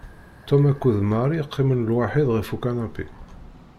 Tom akked Mary qqimen lwaḥid ɣef ukanapi.